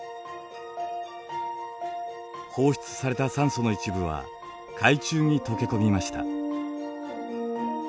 放出された酸素の一部は海中に溶け込みました。